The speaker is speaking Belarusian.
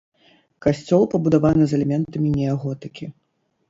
Касцёл пабудаваны з элементамі неаготыкі.